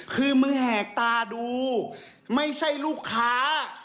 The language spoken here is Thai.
คือมึงแหกตาดูไม่ใช่ลูกค้า